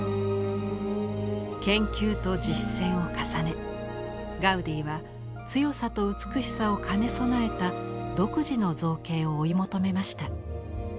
研究と実践を重ねガウディは強さと美しさを兼ね備えた独自の造形を追い求めました。